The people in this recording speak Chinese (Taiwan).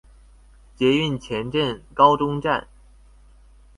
捷運前鎮高中站